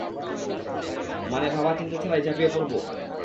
মানে ভাবা-চিন্তা ছাড়াই ঝাঁপিয়ে পড়ব?